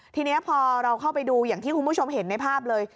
ทีนี้พอเราเข้าไปดูอย่างที่คุณผู้ชมเห็นในภาพเลย